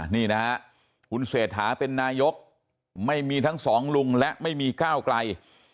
นี่นะฮะคุณเศรษฐาเป็นนายกไม่มีทั้งสองลุงและไม่มีก้าวไกล